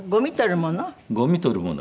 ごみ取るもの？